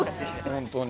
本当に。